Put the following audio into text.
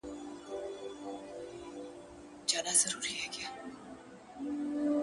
• ما پور غوښتی تا نور غوښتی ,